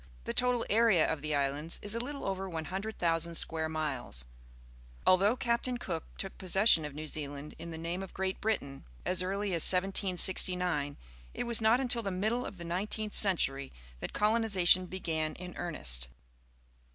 The total area of the islands is a little over 100,000 square miles. Although C aptain Coo k took possession of New Zealand in the name of Great Britain 246 PUBLIC SCHOOL GEOGRAPHY as early a s 1769, it was not until the middle of the nineteenth century that colonization began in earnest.